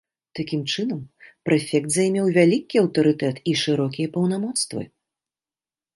Такім чынам, прэфект займеў вялікі аўтарытэт і шырокія паўнамоцтвы.